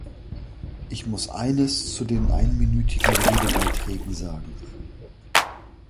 Ich muss eines zu den einminütigen Redebeiträgen sagen.